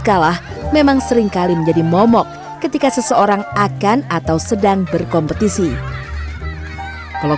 kalah memang seringkali menjadi momok ketika seseorang akan atau sedang berkompetisi kalau